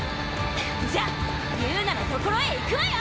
じゃあ友奈のところへ行くわよ！